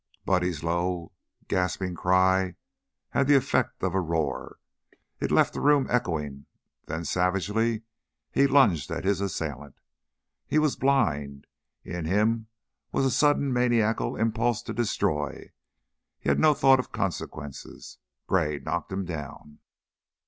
Buddy's low, gasping cry had the effect of a roar; it left the room echoing, then savagely he lunged at his assailant. He was blind, in him was a sudden maniacal impulse to destroy; he had no thought of consequences. Gray knocked him down.